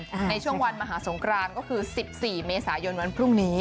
ในช่วงวันมหาสงครานก็คือสิบสี่เมษายนวันพรุ่งนี้